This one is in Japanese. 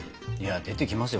出てきますよ。